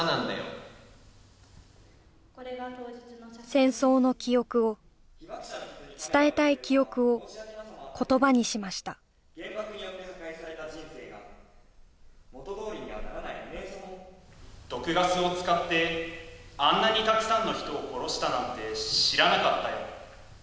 戦争の記憶を伝えたい記憶を言葉にしました原爆によって破壊された人生が元どおりにはならない毒ガスを使ってあんなにたくさんの人を殺したなんて知らなかったよ